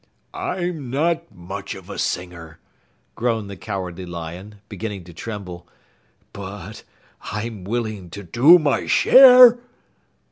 "I'm not much of a singer," groaned the Cowardly Lion, beginning to tremble, "but I'm willing to do my share!"